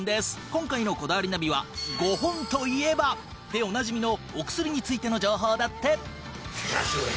今回の『こだわりナビ』は「ゴホン！といえば」でおなじみのお薬についての情報だって！